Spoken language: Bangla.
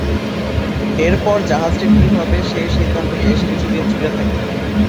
এরপর জাহাজটির কি হবে সে সিদ্ধান্ত বেশ কিছু দিন ঝুলে থাকে।